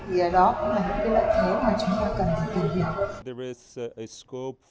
vì đó cũng là những lợi thế mà chúng ta cần tìm hiểu